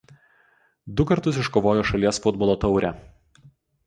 Du kartus iškovojo šalies futbolo taurę.